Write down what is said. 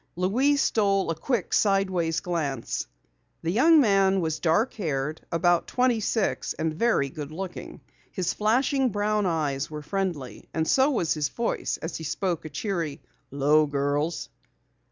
Louise stole a quick sideways glance. The young man was dark haired, about twenty six and very good looking. His flashing brown eyes were friendly and so was his voice as he spoke a cheery, "'Lo, girls."